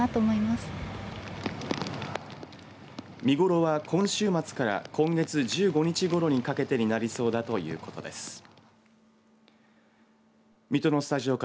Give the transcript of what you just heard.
見頃は今週末から今月１５日ごろにかけてになりそうだということです。